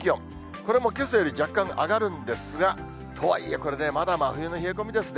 これもけさより若干上がるんですが、とはいえ、これね、まだ真冬の冷え込みですね。